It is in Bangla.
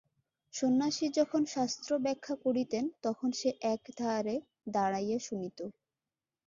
সন্ন্যাসী যখন শাস্ত্রব্যাখ্যা করিতেন তখন সে একধারে দাঁড়াইয়া শুনিত।